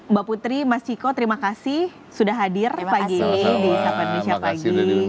mbak putri mas ciko terima kasih sudah hadir pagi di sapa indonesia pagi